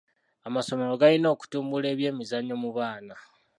Amasomero galina okutumbula ebyemizannyo mu baana.